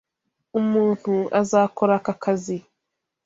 Umuntu azakora aka kazi.